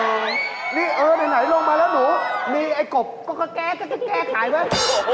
นี่เออไหนลงมาแล้วหนูมีไอ้กบก็แก๊กแก้ขายไว้